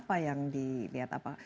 apa yang dilihat apa